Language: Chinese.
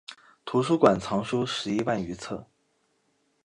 图书馆藏书十一万余册。